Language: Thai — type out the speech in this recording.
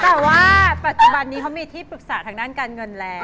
แต่ว่าปัจจุบันนี้เขามีที่ปรึกษาทางด้านการเงินแล้ว